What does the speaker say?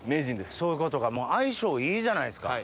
そういうことかもう相性いいじゃないですか。